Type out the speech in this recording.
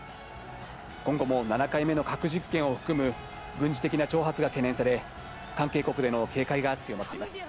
今後も７回目の核実験を含む軍事的な挑発が懸念され、関係国での警戒が強まっています。